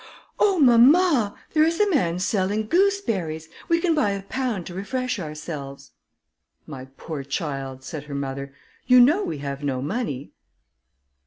"Oh, mamma, there is a man selling gooseberries; we can buy a pound to refresh ourselves." "My poor child," said her mother, "you know we have no money."